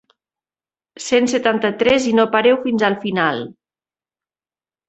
Cent setanta-tres i no pareu fins al final!